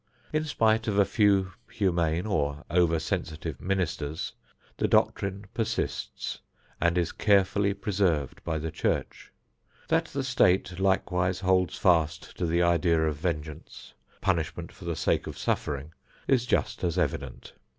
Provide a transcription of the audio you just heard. In spite of a few humane or over sensitive ministers, the doctrine persists and is carefully preserved by the church. That the State likewise holds fast to the idea of vengeance, punishment for the sake of suffering, is just as evident.